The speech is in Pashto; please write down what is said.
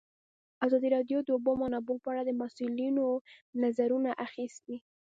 ازادي راډیو د د اوبو منابع په اړه د مسؤلینو نظرونه اخیستي.